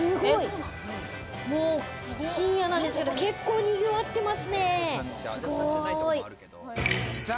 深夜なんですけど、結構賑わってますね。